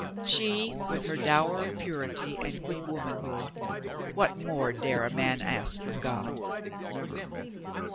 She with her dower of purity and quick womanhood — what more dare a man ask of God?